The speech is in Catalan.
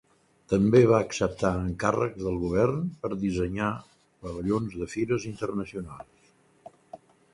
També va acceptar encàrrecs del govern per dissenyar pavellons de fires internacionals.